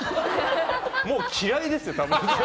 もう嫌いですよ、多分。